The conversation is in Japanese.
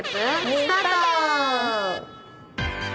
スタート！